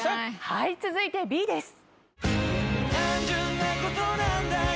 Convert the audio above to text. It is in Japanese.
続いてＢです。